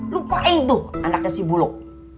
lupain tuh anaknya si bulog